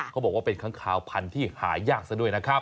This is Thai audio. เขาบอกว่าเป็นค้างคาวพันธุ์ที่หายากซะด้วยนะครับ